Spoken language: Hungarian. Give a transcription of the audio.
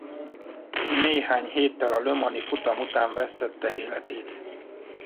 Néhány héttel a Le Mans-i futam után vesztette életét.